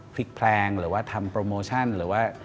พลิกแพลงหรือว่าทำโปรโมชั่นหรือว่า